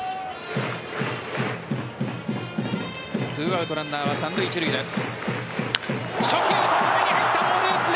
２アウトランナーは三塁一塁です。